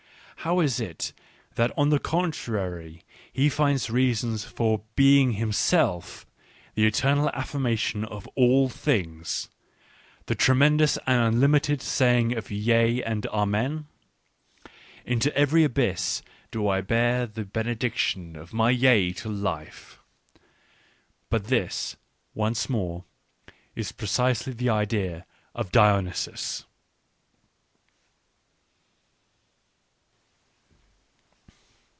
— how is it that on the contrary he finds reasons for \ being himself the eternal affirmation of all things, " the tremendous and unlimited saying of Yea and j Amen "?..." Into every abyss do I bear the / benediction of my yea to Life." ... But this, once more, is precisely the idea of Dionysus.